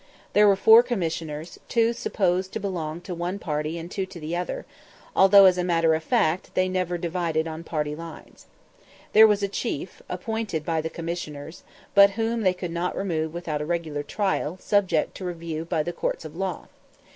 There were four Commissioners, two supposed to belong to one party and two to the other, although, as a matter of fact, they never divided on party lines. There was a Chief, appointed by the Commissioners, but whom they could not remove without a regular trial subject to review by the courts of law.